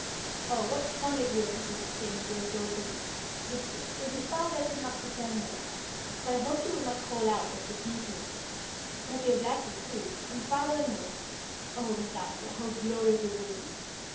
"Oh, what fun it will be!" exclaimed the girl, joyfully. "Yes, yes, it will be far better not to tell Mollie; but I hope she will not call out when she sees me. Monsieur Blackie, too, and father and Noel. Oh, Miss Althea, how glorious it will be!